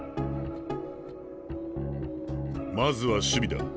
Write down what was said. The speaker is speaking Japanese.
まずは守備だ。